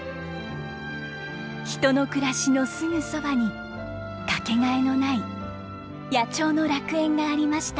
人の暮らしのすぐそばにかけがえのない野鳥の楽園がありました。